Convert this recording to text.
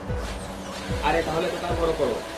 আরে, তাহলে দোকান বড় করো।